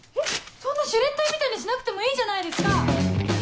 そんなシュレッダーみたいにしなくてもいいじゃないですか！